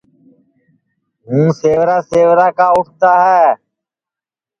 ہوں سیورا سیورا کا اُٹھتا ہے